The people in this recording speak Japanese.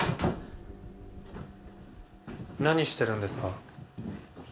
何してるんですか？